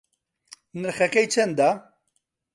نرخەکەی چەندە؟